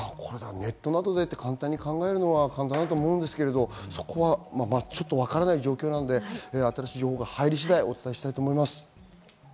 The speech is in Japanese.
ネットなどでって簡単に考えるのは簡単ですが、そこはまだわからない状況なので新しい情報が入り次第お伝えしたいと思います。